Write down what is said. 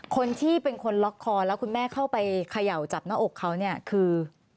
คนที่เป็นคนล็อกคอแล้วคุณแม่เข้าไปเขย่าจับหน้าอกเขาเนี่ยคือ